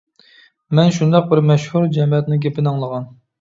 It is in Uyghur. مەن شۇنداق بىر مەشھۇر جەمەتنىڭ گېپىنى ئاڭلىغان.